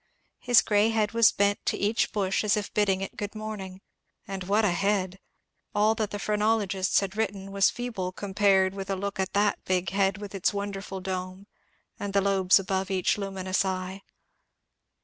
His grey head was bent to each bush as if bidding it good morning. And what a head I All that the phrenologists had written was feeble compared with a look at that big head with its wonder ful dome, and the lobes above each luminous eye.